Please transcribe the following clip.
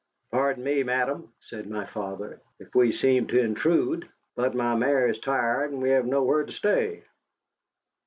"Pardon me, Madam," said my father, "if we seem to intrude. But my mare is tired, and we have nowhere to stay."